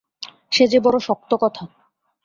সে যে বড়ো শক্ত কথা।